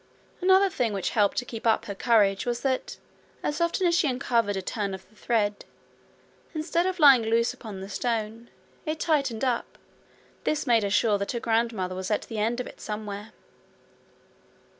Another thing which helped to keep up her courage was that, as often as she uncovered a turn of the thread, instead of lying loose upon the stone, it tightened up; this made her sure that her grandmother was at the end of it somewhere.